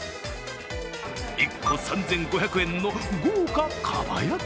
１個３５００円の豪華かば焼き